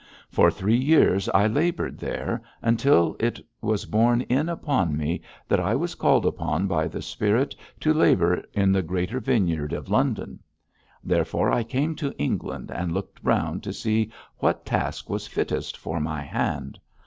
For three years I laboured there, until it was borne in upon me that I was called upon by the Spirit to labour in the greater vineyard of London. Therefore, I came to England and looked round to see what task was fittest for my hand.